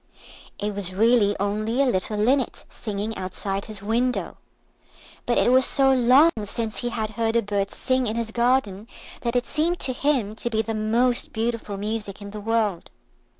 It was really only a little linnet singing outside his window, but it was so long since he had heard a bird sing in his garden that it seemed to him to be the most beautiful music in the world.